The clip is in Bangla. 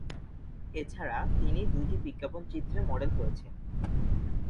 এছাড়া, তিনি দুইটি বিজ্ঞাপনচিত্রে মডেল হয়েছেন।